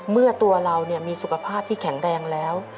เมื่อตัวเรามีสุขภาพที่แข็งแรงแล้ว